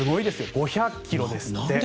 ５００ｋｍですって。